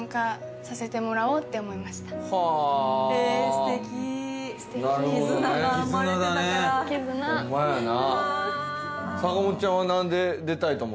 素敵素敵絆が生まれてたから絆ホンマやな